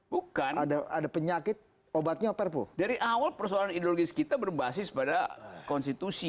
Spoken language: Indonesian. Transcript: bukan ada ada penyakit obatnya perpu dari awal persoalan ideologis kita berbasis pada konstitusi